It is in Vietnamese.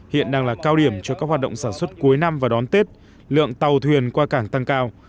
hiện đang là cao điểm cho các hoạt động sản xuất cuối năm và đón tết lượng tàu thuyền qua cảng tăng cao